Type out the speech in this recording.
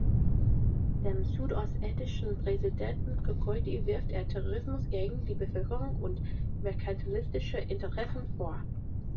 Dem südossetischen Präsidenten Kokoity wirft er Terrorismus gegen die Bevölkerung und "„merkantilistische Interessen“" vor.